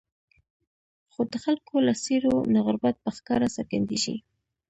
خو د خلکو له څېرو نه غربت په ښکاره څرګندېږي.